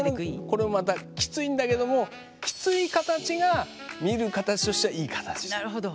これもまたキツいんだけどもキツい形が見る形としてはいい形。なるほど。